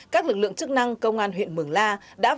các lực lượng chức năng công an huyện mường la